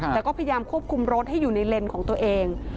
แต่ก็พยายามควบคุมรถให้อยู่ในเลนส์ของตัวเอง